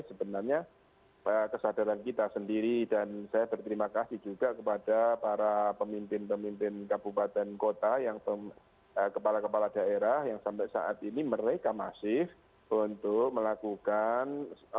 sebenarnya kesadaran kita sendiri dan saya berterima kasih juga kepada para pemimpin pemimpin kabupaten kota yang kepala kepala daerah yang sampai saat ini mereka masif untuk melakukan